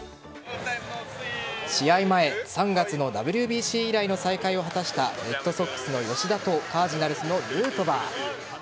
試合前３月のＷＢＣ以来の再会を果たしたレッドソックスの吉田とカージナルスのヌートバー。